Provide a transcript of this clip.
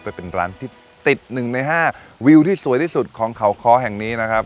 ไปเป็นร้านที่ติด๑ใน๕วิวที่สวยที่สุดของเขาค้อแห่งนี้นะครับ